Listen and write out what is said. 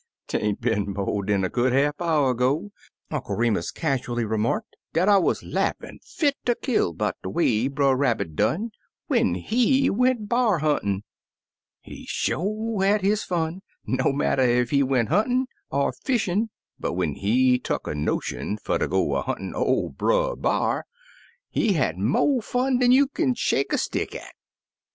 Brother Rabbit's Bear Hunt "Tain't been mo' dan a good half hour agp/' Uncle Remus casually remarked, "dat I wuz laughin' fit ter kill 'bout de way Brer Rabbit done when he went b'ar huntin\ He sho' had his fun, no matter ef he went huntin' or fishin', but when he tuck a notion fcr ter gp a huntin' oV Brer B'ar, he had mo' fun dan you kin shake a stick at.